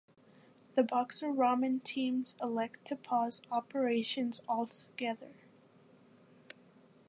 The Boxer Ramen teams elected to pause operations altogether.